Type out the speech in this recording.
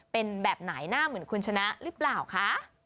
เป็นแบบไหนหน้าเหมือนคุณชนะหรือเปล่าคะ